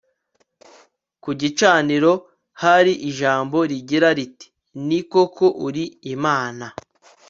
ku gicaniro hari ijambo rigira riti ni koko uri IMANA